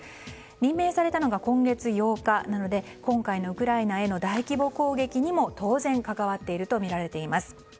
任命されたのが今月８日なので今回のウクライナへの大規模攻撃にも当然関わっているとみられています。